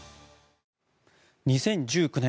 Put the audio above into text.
２０１９年